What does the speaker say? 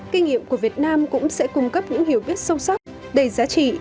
kinh nghiệm của việt nam cũng sẽ cung cấp những hiểu biết sâu sắc đầy giá trị